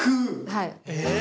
はい。